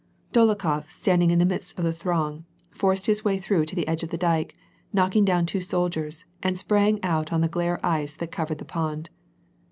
Dolokhof, standing in the midst of the throng, forced bis way through to the edge of the dyke, knocking down two sol diers, and sprang out on the glare ice that covered the pond.